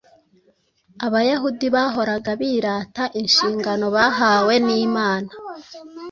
Abayahudi bahoraga birata inshingano bahawe n’Imana.